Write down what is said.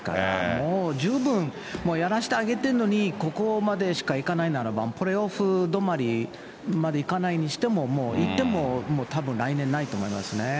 もう十分やらせてあげてるのにここまでしかいかないならば、プレーオフ止まりまでいかないにしても、もういってもたぶん来年ないと思いますね。